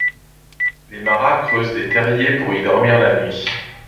Les maras creusent des terriers pour y dormir la nuit.